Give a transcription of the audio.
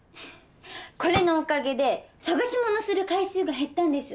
これのおかげで捜し物する回数が減ったんです。